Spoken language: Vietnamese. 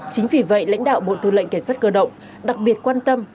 chính vì vậy lãnh đạo bộ tư lệnh cảnh sát cơ động đặc biệt quan tâm